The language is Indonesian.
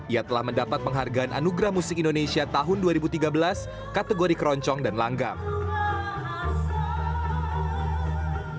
ia telah mendapat penghargaan anugerah musik indonesia tahun dua ribu tiga belas kategori keroncong dan langgang